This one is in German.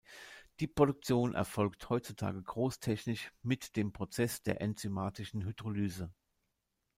Die Produktion erfolgt heutzutage großtechnisch mit dem Prozess der enzymatischen Hydrolyse.